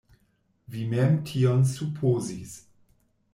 Vi mem tion supozis.